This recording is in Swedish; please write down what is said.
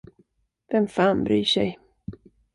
Vem fan bryr sig?